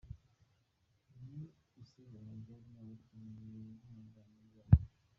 Ni isiganwa ryarimo abakinnyi b’ibihangange mu Rwanda.